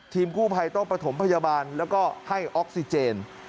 กู้ภัยต้องประถมพยาบาลแล้วก็ให้ออกซิเจน